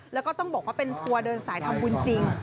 แล้วก็ต้องบอกว่าเป็นทัวร์เดินสายทำบุญจริง